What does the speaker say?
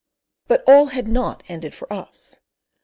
But all had not ended for us.